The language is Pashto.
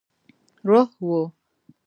روح وو.